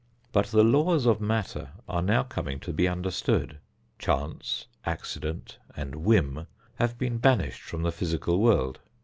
But the laws of matter are now coming to be understood. Chance, accident and whim have been banished from the physical world.